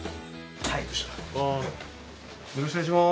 よろしくお願いします。